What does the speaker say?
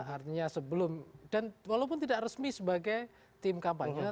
artinya sebelum dan walaupun tidak resmi sebagai tim kampanye